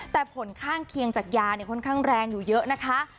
แต่ผลข้างเคียงจากยาเนี่ยค่อนข้างแรงอยู่เยอะนะคะ